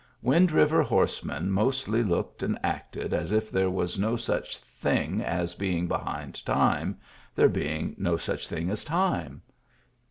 Wind River horsemen mostly looked and acted as if there was no such thing as being behind time, there being no such thing as time.